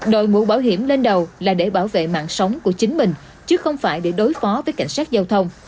đội mũ bảo hiểm lên đầu là để bảo vệ mạng sống của chính mình chứ không phải để đối phó với cảnh sát giao thông